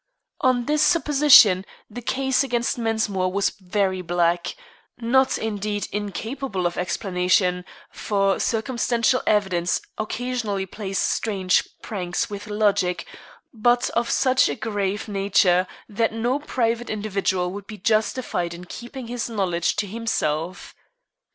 On this supposition, the case against Mensmore was very black; not, indeed, incapable of explanation for circumstantial evidence occasionally plays strange pranks with logic but of such a grave nature that no private individual would be justified in keeping his knowledge to himself.